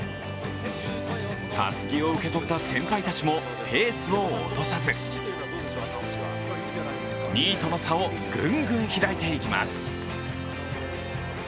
たすきを受け取った先輩たちもペースも落とさず、２位との差をぐんぐん開いていきます。